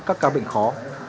các ca bệnh khó